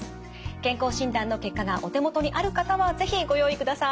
健康診断の結果がお手元にある方は是非ご用意ください。